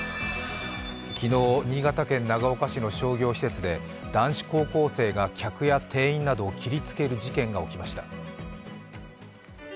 昨日、新潟県長岡市の商業施設で男子高校生が客や店員など切りつける事件が起きました。